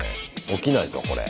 起きないぞこれ。